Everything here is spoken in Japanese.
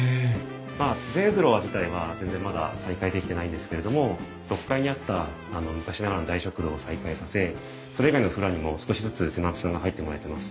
まあ全フロア自体は全然まだ再開できてないんですけれども６階にあった昔ながらの大食堂を再開させそれ以外のフロアにも少しずつテナントさんが入ってもらえてます。